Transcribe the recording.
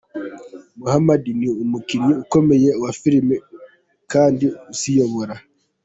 Muhammed ni umukinnyi ukomeye wa filime kandi uziyobora.